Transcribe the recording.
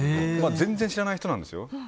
全然知らない人ですよ。